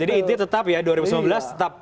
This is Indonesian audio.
jadi intinya tetap ya dua ribu sembilan belas tetap